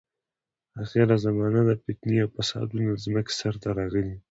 اخره زمانه ده، فتنې او فسادونه د ځمکې سر ته راغلي دي.